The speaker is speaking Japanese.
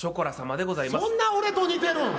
そんな俺と似てるん？